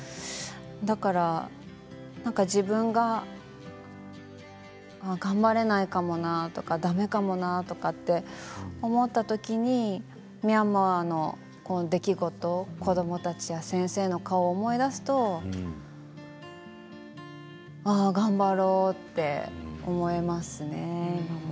だからなんか自分が頑張れないかもなとかだめかもなって思った時にミャンマーの出来事子どもたちや先生の顔を思い出すとああ、頑張ろうって思えますね